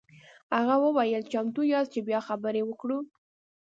هغه وویل چمتو یاست چې بیا خبرې وکړو.